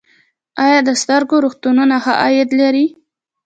آیا د سترګو روغتونونه ښه عاید لري؟